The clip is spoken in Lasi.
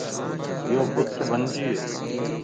يو بت بنجي ويووَ